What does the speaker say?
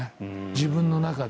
自分の中で。